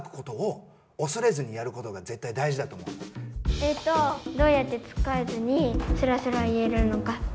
えとどうやってつっかえずにすらすら言えるのか？